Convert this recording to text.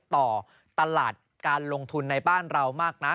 ต่อตลาดการลงทุนในบ้านเรามากนัก